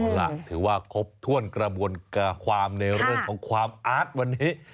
ล่ะถือว่าครบถ้วนกระบวนการความในเรื่องของความอาร์ตวันนี้